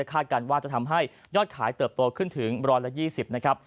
การว่าจะทำให้ยอดขายเติบโตขึ้นถึง๑๒๐นะครับ